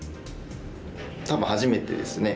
多分初めてですね。